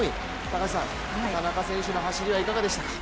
高橋さん、田中選手の走りはいかがでしたか？